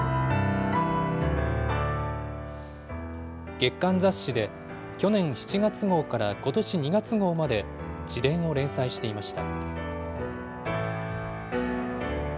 月刊雑誌で去年７月号からことし２月号まで自伝を連載していました。